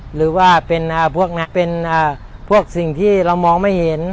หรือว่าเป็นพวกเป็นพวกสิ่งที่เรามองไม่เห็น